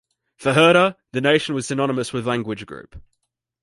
For Herder, the nation was synonymous with language group.